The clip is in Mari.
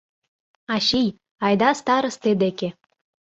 Ачий, айда старысте деке!